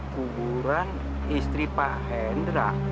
kuburan istri pak hendra